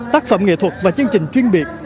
tác phẩm nghệ thuật và chương trình chuyên biệt